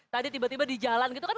tadi tiba tiba di jalan gitu kan